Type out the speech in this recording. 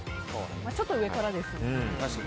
ちょっと上からですよね。